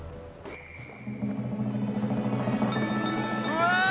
うわ！